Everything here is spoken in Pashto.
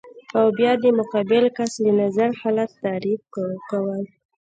او بیا د مقابل کس له نظره حالت تعریف کول